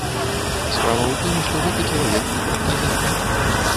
Справа ў тым, што гэты чалавек непрадказальны.